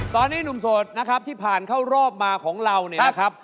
ตอนนี้หนุ่มโสดนะครับที่ผ่านเข้ารอบมาของเราเนี่ยนะครับ